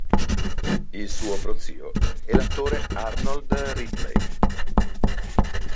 Il suo prozio è l'attore Arnold Ridley.